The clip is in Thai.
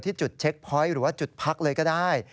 ที่จุดเช็คพอยต์หรือว่าจุดพักเลยก็ได้